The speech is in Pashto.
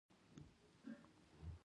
اوبه د انسان عمر اوږدوي.